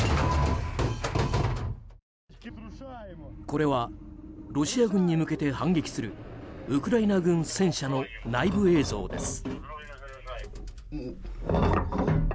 これはロシア軍に向けて反撃するウクライナ軍戦車の内部映像です。